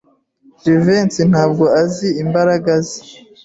Jivency ntabwo azi imbaraga ze.